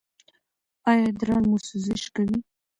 ایا ادرار مو سوزش کوي؟